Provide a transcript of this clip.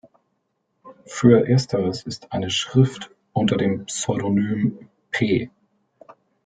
Für ersteres ist eine Schrift unter dem Pseudonym „P.